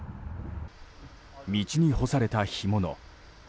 道に干された干物。